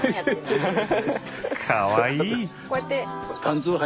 かわいい！